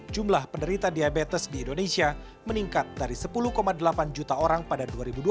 jumlah penderita diabetes di indonesia meningkat dari sepuluh delapan juta orang pada dua ribu dua puluh